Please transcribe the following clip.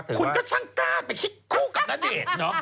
คุณก็ช่างกล้าไปคิดคู่กับณเดชน์เนาะ